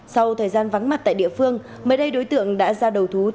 sau thời gian vắng mặt tại địa phương mới đây đối tượng đã ra đầu thú